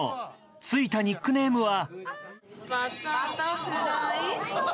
ついたニックネームは。